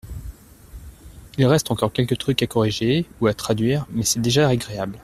Il reste encore quelques trucs à corriger ou à traduire mais c’est déjà agréable.